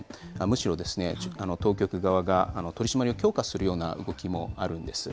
むしろ、当局側が取締りを強化するような動きもあるんです。